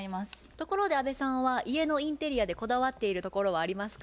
ところで安部さんは家のインテリアでこだわっているところはありますか？